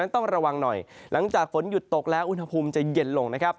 ต้องระวังหน่อยหลังจากฝนหยุดตกแล้วอุณหภูมิจะเย็นลงนะครับ